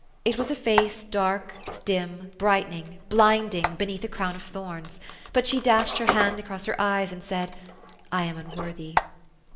It was a Face dark, dim, brightening, blinding, beneath a crown of thorns ; but she dashed her hand across her eyes, and said, " I am unworthy."